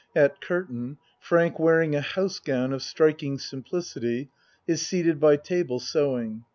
At curtain Frank wearing a house gown of striking simplicity, is seated by table sewing.